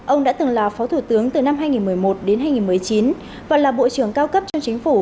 ông đã từng là phó thủ tướng từ năm hai nghìn một mươi một đến hai nghìn một mươi chín và là bộ trưởng cao cấp trong chính phủ